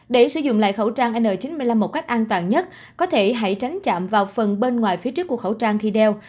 để sử dụng lại khẩu trang n chín mươi năm một cách an toàn nhất có thể hãy tránh chạm vào phần bên ngoài phía trước của khẩu trang khi đeo